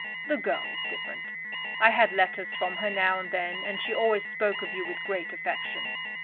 The girl is different. I had letters from her now and then, and she always spoke of you with great affection.